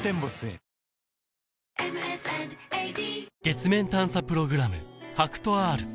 月面探査プログラム